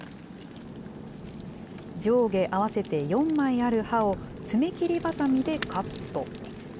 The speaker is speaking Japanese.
上下合わせて４枚ある歯を、爪切りばさみでカット。